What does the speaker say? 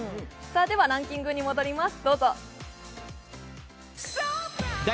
ランキングに戻ります。